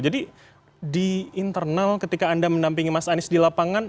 jadi di internal ketika anda menampingi mas anies di lapangan